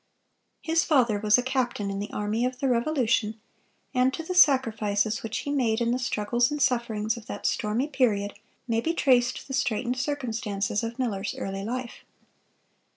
His father was a captain in the army of the Revolution, and to the sacrifices which he made in the struggles and sufferings of that stormy period, may be traced the straitened circumstances of Miller's early life.